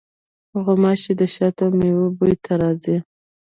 غوماشې د شاتو او میوو بوی ته راځي.